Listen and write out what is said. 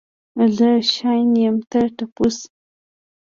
زه شاين يم ته ټپوس.